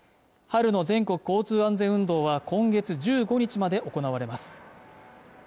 春の全国交通安全運動は今月１５日まで行われます